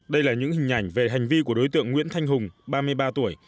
đây là những hình ảnh về hành vi của đối tượng nguyễn thanh hùng ba mươi ba tuổi